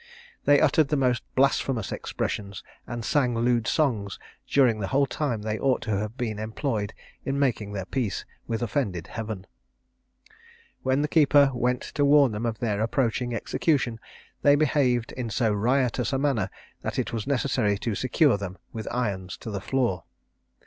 They uttered the most blasphemous expressions, and sang lewd songs during the whole time they ought to have been employed in making their peace with offended Heaven. When the keeper went to warn them of their approaching execution, they behaved in so riotous a manner, that it was necessary to secure them with irons to the floor.